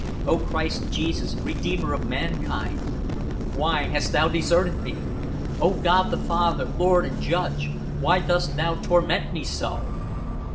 "O Christ Jesus, Redeemer of mankind, why hast Thou deserted me? O God the Father, Lord and Judge, why dost Thou torment me so?"